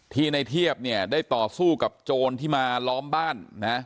ในเทียบเนี่ยได้ต่อสู้กับโจรที่มาล้อมบ้านนะ